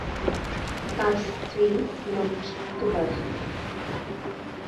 তার স্ত্রী লক্ষ্মী তুলাধর।